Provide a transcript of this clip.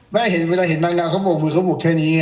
ไม่เวลาเห็นนางงามเขาบกมือเขาบกแค่นี้ไง